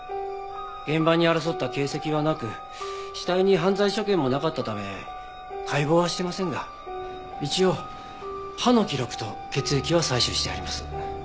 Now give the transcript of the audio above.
現場に争った形跡はなく死体に犯罪所見もなかったため解剖はしてませんが一応歯の記録と血液は採取してあります。